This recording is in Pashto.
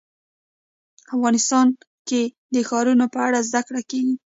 افغانستان کې د ښارونه په اړه زده کړه کېږي.